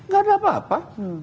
gak ada apa apa